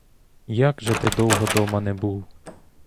Як же ти довго дома не був!